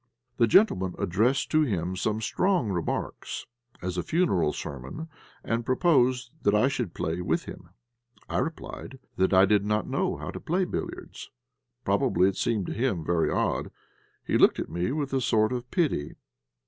The gentleman addressed to him some strong remarks, as a funeral sermon, and proposed that I should play a game with him. I replied that I did not know how to play billiards. Probably it seemed to him very odd. He looked at me with a sort of pity.